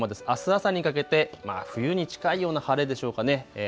あす朝にかけて冬に近いような晴れでしょうかね